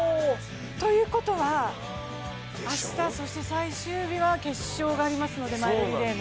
ということは、明日、そして最終日はマイルリレーの決勝がありますので。